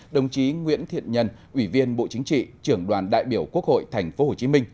đồng chí nguyễn thiện nhân ủy viên bộ chính trị trưởng đoàn đại biểu quốc hội tp hcm